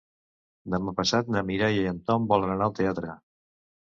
Demà passat na Mireia i en Tom volen anar al teatre.